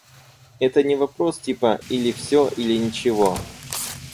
Это не вопрос типа "или все, или ничего".